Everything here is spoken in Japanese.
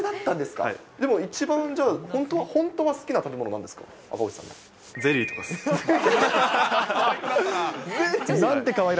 でも一番じゃあ、本当は好きな食べ物なんですか？